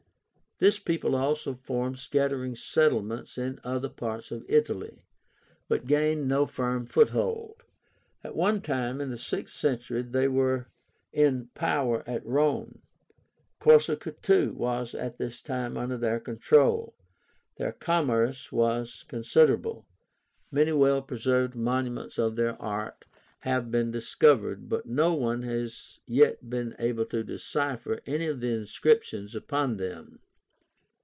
This people also formed scattering settlements in other parts of Italy, but gained no firm foothold. At one time, in the sixth century, they were in power at Rome. Corsica, too, was at this time under their control. Their commerce was considerable. Many well preserved monuments of their art have been discovered, but no one has yet been able to decipher any of the inscriptions upon them.